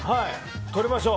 取りましょう。